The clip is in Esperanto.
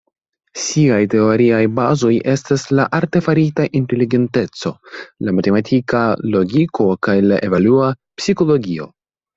Siaj teoriaj bazoj estas la artefarita inteligenteco, la matematika logiko kaj la evolua psikologio.